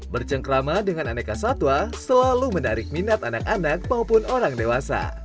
bercengkrama dengan aneka satwa selalu menarik minat anak anak maupun orang dewasa